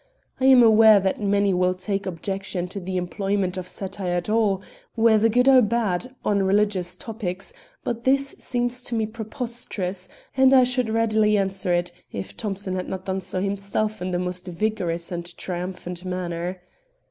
I am aware that many will take objection to the employment of satire at all, whether good or bad, on religious topics; but this seems to me preposterous, and I should readily answer it, if Thomson had not done so himself in the most vigorous and triumphant manner.